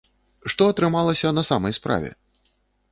Што атрымалася на самай справе?